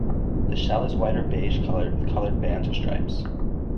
The shell is white or beige-colored with colored bands or stripes.